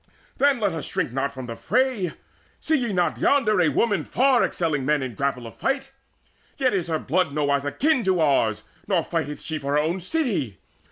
Then let us shrink not from the fray See ye not yonder a woman far excelling Men in the grapple of fight? Yet is her blood Nowise akin to ours, nor fighteth she For her own city.